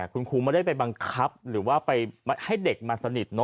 คุณครูไม่ได้ไปบังคับหรือว่าไปให้เด็กมาสนิท